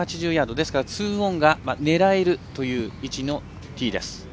ですから２オンが狙えるという位置のティーです。